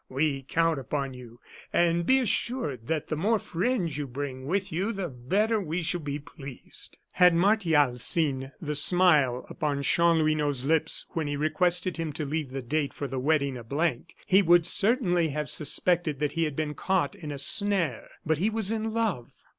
We count upon you, and be assured that the more friends you bring with you the better we shall be pleased." Had Martial seen the smile upon Chanlouineau's lips when he requested him to leave the date for the wedding a blank, he would certainly have suspected that he had been caught in a snare. But he was in love.